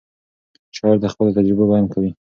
شاعر د خپلو تجربو بیان کوي.